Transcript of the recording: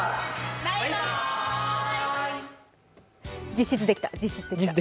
実質できた！